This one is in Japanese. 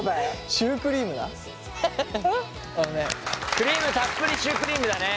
クリームたっぷりシュークリームだね。